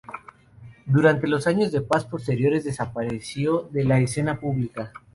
Durante los años de paz posteriores desapareció de la escena pública.